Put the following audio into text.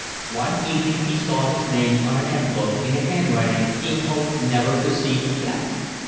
One evening he saw his name on an envelope in a handwriting he had hoped never to see again.